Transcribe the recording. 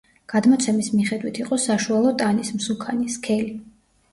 გადმოცემის მიხედვით იყო საშუალო ტანის, მსუქანი, სქელი.